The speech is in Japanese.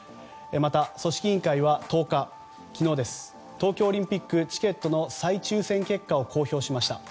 また、組織委員会は昨日１０日東京オリンピックのチケットの再抽選結果を公表しました。